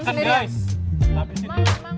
makan makan makan